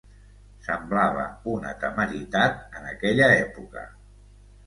Semblava una temeritat en aquella època.